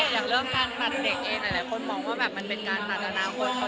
อยากเริ่มการตัดเด็กเองหลายคนมองว่ามันเป็นการตัดอาณาคนเขาหรือเปล่า